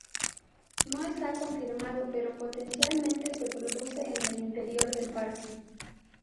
No está confirmado, pero potencialmente se produce en el interior del parque.